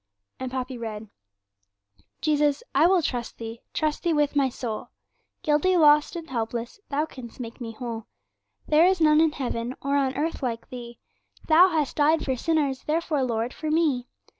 And Poppy read: 'Jesus, I will trust Thee, trust Thee with my soul! Guilty, lost, and helpless, Thou canst make me whole. There is none in heaven or on earth like Thee; Thou hast died for sinners therefore, Lord, for me.